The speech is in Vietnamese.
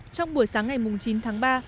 trong buổi sáng ngày chín tháng ba